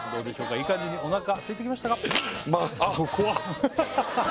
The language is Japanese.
いい感じにおなかすいてきましたか？